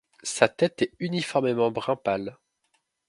Sa tête est uniformément brun pâle.